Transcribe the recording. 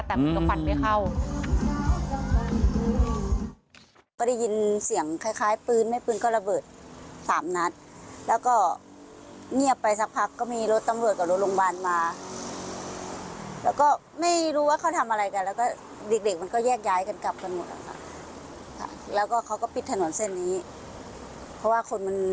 แต่มีฟันไม่เข้า